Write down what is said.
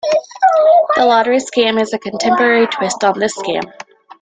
The lottery scam is a contemporary twist on this scam.